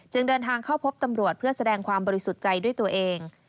เดินทางเข้าพบตำรวจเพื่อแสดงความบริสุทธิ์ใจด้วยตัวเอง